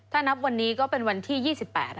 ท่านนับวันนี้ก็เป็นวันที่๒๘ครับ